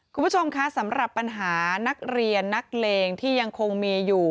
คุณผู้ชมคะสำหรับปัญหานักเรียนนักเลงที่ยังคงมีอยู่